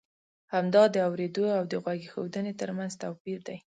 همدا د اورېدو او د غوږ اېښودنې ترمنځ توپی ر دی.